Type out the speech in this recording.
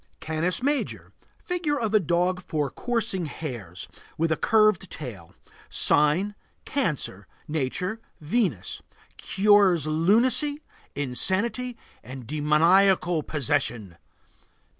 CANIS MAJOR. Figure of a dog for coursing hares, with a curved tail. Sign: Cancer. Nature: Venus. Cures lunacy, insanity, and demoniacal possession.